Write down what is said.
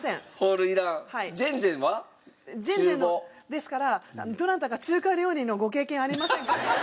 ですから「どなたか中華料理のご経験ありませんか？」。